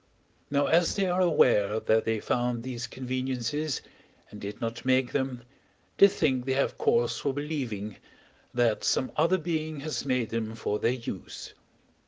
Now as they are aware, that they found these conveniences and did not make them, they think they have cause for believing, that some other being has made them for their use.